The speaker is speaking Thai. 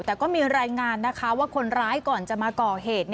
แต่ก็มีรายงานนะคะว่าคนร้ายก่อนจะมาก่อเหตุ